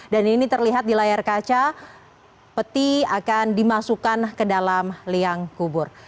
dan ini terlihat di layar kaca peti akan dimasukkan ke dalam liang kubur